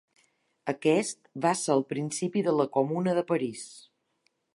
Aquest va ser el principi de la Comuna de París.